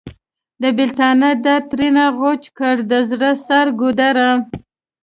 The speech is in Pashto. د بیلتانه درد ترېنه غوڅ کړ د زړه سر ګودره!